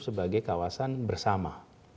sebagai kawasan bersama